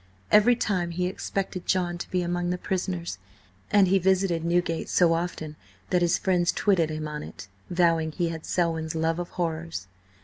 Every time he expected John to be among the prisoners, and he visited Newgate so often that his friends twitted him on it, vowing he had Selwyn's love of horrors.